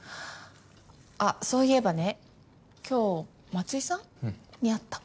あっそういえばね今日松井さん？に会った。